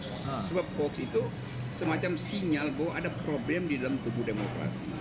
sebab hoax itu semacam sinyal bahwa ada problem di dalam tubuh demokrasi